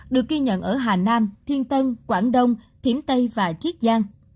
được ghi nhận ở hà nam thiên tân quảng đông thiểm tây và chiết giang